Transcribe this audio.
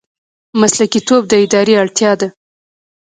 مسلکي توب د ادارې اړتیا ده